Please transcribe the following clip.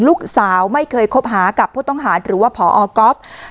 ลูกสาวไม่เคยคบหากับผู้ต้องหาหรือว่าพอก๊อฟ